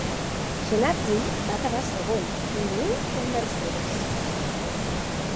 Jenatzy va quedar segon, conduint un Mercedes.